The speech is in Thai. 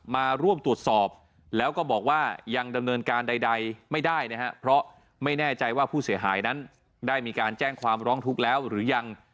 มาร่วมตรวจสอบแล้วก็บอกว่ายังดำเนินการใดไม่ได้นะครับเพราะไม่แน่ใจว่าผู้เสียหายนั้นได้มีการแจ้งความร้องทุกข์แล้วหรือยัง